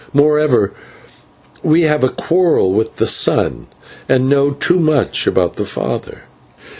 Moreover, we have a quarrel with the son, and I know too much about the father."